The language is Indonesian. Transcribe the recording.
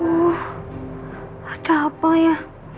uah ada apa ya